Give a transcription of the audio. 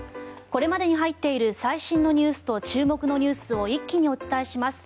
これまでに入っている最新のニュースと注目のニュースを一気にお伝えします。